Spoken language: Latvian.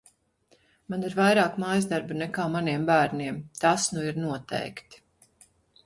Man ir vairāk mājasdarbu nekā maniem bērniem, tas nu ir noteikti.